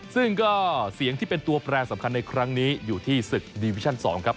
ซึ่งก็เสียงที่เป็นตัวแปรสำคัญในครั้งนี้อยู่ที่ศึกดีวิชั่น๒ครับ